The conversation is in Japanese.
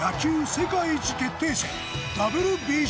世界一決定戦